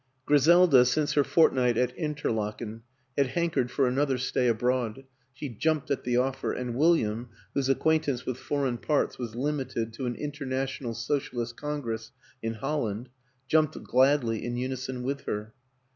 Griselda, since her fortnight at Interlaken, had hankered for an other stay abroad; she jumped at the offer, and William whose acquaintance with foreign parts was limited to an International Socialist Congress in Holland jumped gladly in unison with her.